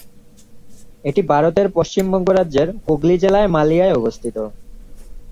এটি ভারতের পশ্চিমবঙ্গ রাজ্যের হুগলী জেলার মালিয়ায় অবস্থিত।